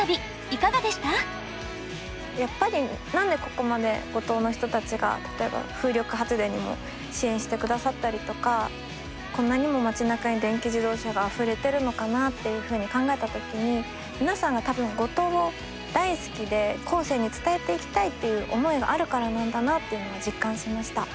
やっぱり何でここまで五島の人たちが例えば風力発電にも支援してくださったりとかこんなにも町なかに電気自動車があふれてるのかなっていうふうに考えた時に皆さんが多分五島を大好きで後世に伝えていきたいっていう思いがあるからなんだなっていうのは実感しました。